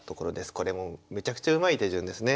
これもめちゃくちゃうまい手順ですね。